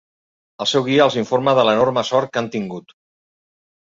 El seu guia els informa de l'enorme sort que han tingut.